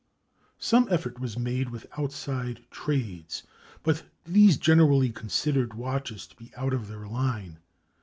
_] Some effort was made with outside trades, but these generally considered watches to be out of their line.